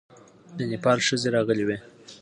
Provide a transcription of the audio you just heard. د نېپال ښځې راغلې وې.